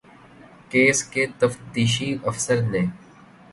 case کے تفتیشی افسر نے